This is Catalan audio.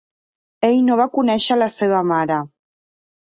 Ell no va conèixer la seva mare.